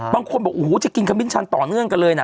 บางคนบอกโอ้โหจะกินขมิ้นชันต่อเนื่องกันเลยนะ